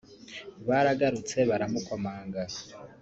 baragarutse baramukomanga